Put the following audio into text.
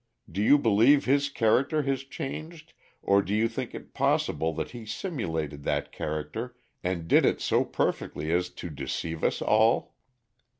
Do you believe his character has changed, or do you think it possible that he simulated that character and did it so perfectly as to deceive us all?